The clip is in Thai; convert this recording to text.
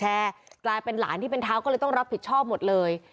กลายเป็นหลานที่เป็นเท้าก็เลยต้องรับผิดชอบหมดเลย